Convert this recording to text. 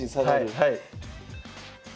はい。